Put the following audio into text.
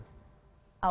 oh belum final